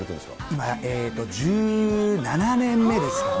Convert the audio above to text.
今、１７年目ですかね。